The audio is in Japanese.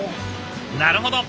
なるほど。